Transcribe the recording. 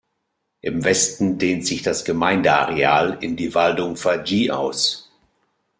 Im Westen dehnt sich das Gemeindeareal in die Waldung "Fahy" aus.